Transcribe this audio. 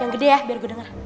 yang gede ya biar gue denger